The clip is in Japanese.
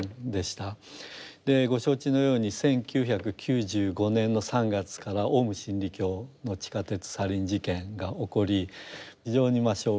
ご承知のように１９９５年の３月からオウム真理教の地下鉄サリン事件が起こり非常に衝撃を受けまして。